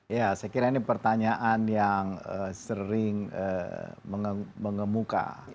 ya saya kira ini pertanyaan yang sering mengemuka